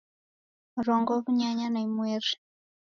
Mrongo w'unyanya na imweri